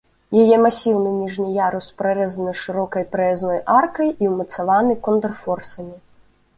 Яе масіўны ніжні ярус прарэзаны шырокай праязной аркай і ўмацаваны контрфорсамі.